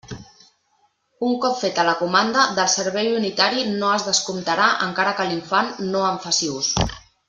Un cop feta la comanda, del servei unitari no es descomptarà encara que l'infant no en faci ús.